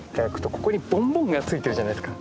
ここにボンボンがついてるじゃないですか。